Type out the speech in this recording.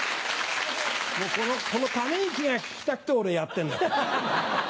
このため息が聞きたくて俺やってんだ。